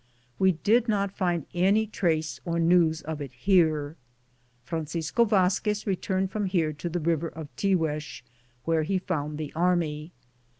We did not find any trace or news of it here. Francisco Vazquez returned from here to the river of Tiguex, where he found the army.